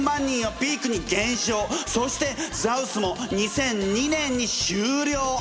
そしてＳＳＡＷＳも２００２年に終了！